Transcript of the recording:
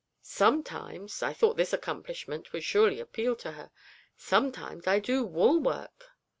Sometimes' (I thought this accomplishment would surely appeal to her) 'sometimes I do woolwork!'